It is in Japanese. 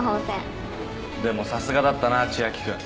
でもさすがだったな千秋君。